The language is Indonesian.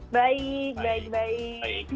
baik baik baik